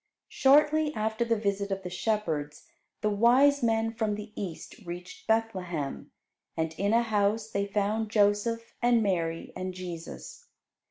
Shortly after the visit of the shepherds, the wise men from the East reached Bethlehem, and in a house they found Joseph, and Mary, and Jesus.